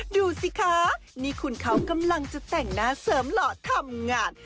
ดูสิคะนี่คุณเขากำลังจะแต่งหน้าเสริมหล่อทำงาน